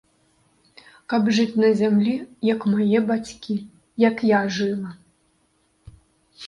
Каб жыць на зямлі, як мае бацькі, як я жыла.